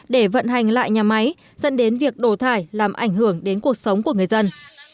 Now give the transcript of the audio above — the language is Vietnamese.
để vận hành lại nhà máy dẫn đến việc đổ thải làm ảnh hưởng đến cuộc sống của người dân